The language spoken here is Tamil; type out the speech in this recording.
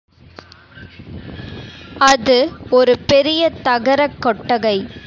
அது ஒரு பெரிய தகரக் கொட்டகை.